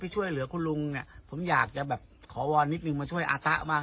ช่วยเหลือคุณลุงเนี่ยผมอยากจะแบบขอวอนนิดนึงมาช่วยอาตะบ้าง